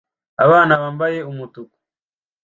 Abana bambaye umutuku